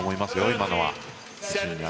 今のは。